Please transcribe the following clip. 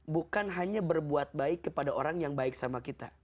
bukan hanya berbuat baik kepada orang yang baik sama kita